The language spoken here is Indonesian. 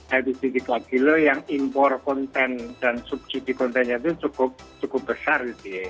hpc tiga g yang impor konten dan subsidi kontennya itu cukup besar